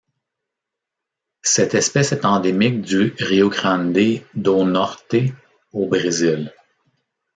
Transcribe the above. Cette espèce est endémique du Rio Grande do Norte au Brésil.